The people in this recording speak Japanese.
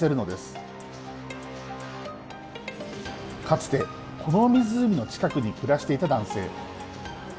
かつてこの湖の近くに暮らしていた男性。